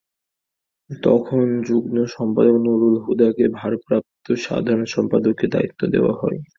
তখন যুগ্ম সম্পাদক নুরুল হুদাকে ভারপ্রাপ্ত সাধারণ সম্পাদকের দায়িত্ব দেওয়া হয়।